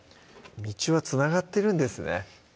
道はつながってるんですね